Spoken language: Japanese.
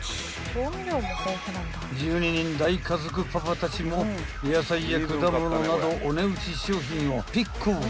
［１２人大家族パパたちも野菜や果物などお値打ち商品をピック］